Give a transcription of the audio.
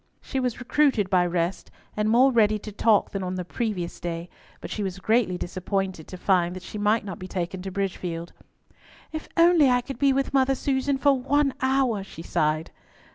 She was recruited by rest, and more ready to talk than on the previous day, but she was greatly disappointed to find that she might not be taken to Bridgefield. "If I could only be with Mother Susan for one hour," she sighed.